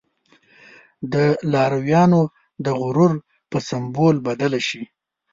د لارويانو د غرور په سمبول بدله شي.